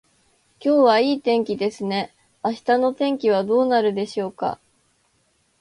今日はいい天気ですね。明日の天気はどうなるでしょうか。